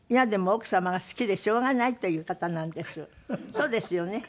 そうですよね？